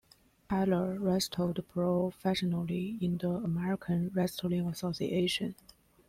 Taylor wrestled professionally in the American Wrestling Association.